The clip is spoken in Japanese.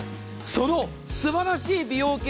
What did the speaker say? そのすばらしい美容系